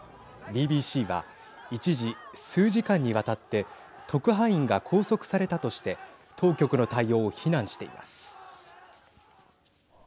ＢＢＣは、一時数時間にわたって特派員が拘束されたとして当局の対応を非難しています。